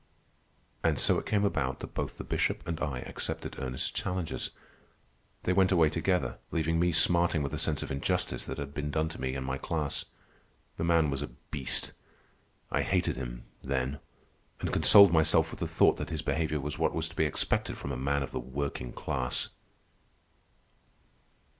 And so it came about that both the Bishop and I accepted Ernest's challenges. They went away together, leaving me smarting with a sense of injustice that had been done me and my class. The man was a beast. I hated him, then, and consoled myself with the thought that his behavior was what was to be expected from a man of the working class.